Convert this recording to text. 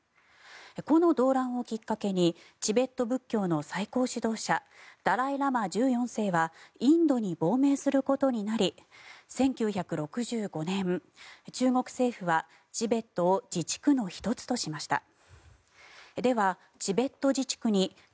この動乱をきっかけにチベット仏教の最高指導者ダライ・ラマ１４世はインドに亡命することになり１９６５年、中国政府はチベットを自治区の１つとしました。